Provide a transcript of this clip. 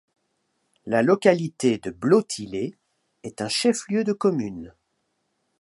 La localité de Blotilé est un chef-lieu de commune.